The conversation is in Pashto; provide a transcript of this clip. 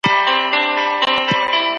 سرزوري مي په ياد كـي نـــه دي